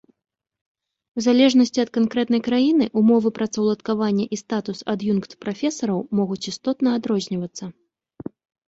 У залежнасці ад канкрэтнай краіны умовы працаўладкавання і статус ад'юнкт-прафесараў могуць істотна адрознівацца.